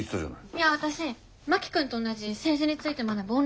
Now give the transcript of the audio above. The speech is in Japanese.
いや私真木君と同じ政治について学ぶ